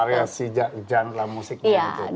karena variasi genre musiknya gitu